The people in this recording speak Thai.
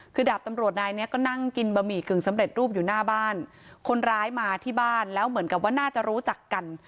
คือดาบตำรวจนายเนี้ยก็นั่งกินบะหมี่กึ่งสำเร็จรูปอยู่หน้าบ้านคนร้ายมาที่บ้านแล้วเหมือนกับว่าน่าจะรู้จักกัน